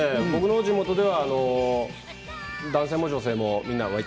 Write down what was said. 僕の地元では男性も女性も。